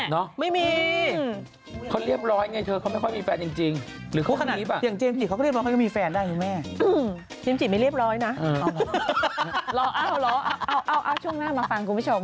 นี่หรือยังไงหรือเปล่าเนี่ยนะมา